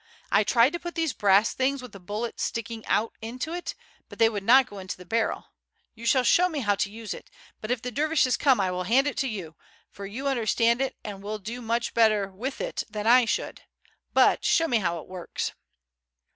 I tried to put these brass things with the bullet sticking out into it, but they would not go into the barrel. You shall show me how to use it, but if the dervishes come I will hand it to you, for you understand it and will do much better with it than I should; but show me how it works."